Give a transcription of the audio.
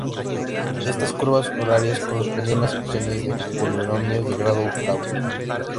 Estas curvas horarias correspondían a secciones de polinomios de grado octavo.